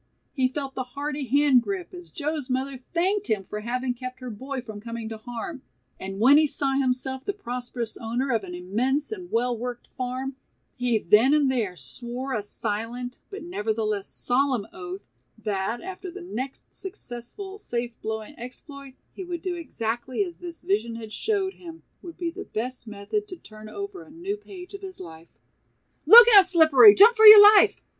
He felt the hearty hand grip as Joe's mother thanked him for having kept her boy from coming to harm, and when he saw himself the prosperous owner of an immense and well worked farm, he then and there swore a silent but nevertheless solemn oath that after the next successful safe blowing exploit he would do exactly as this vision had showed him would be the best method to turn over a new page of his life. "Look out, Slippery, jump for your life!"